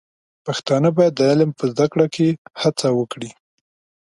پښتانه بايد د علم په زده کړه کې هڅه وکړي.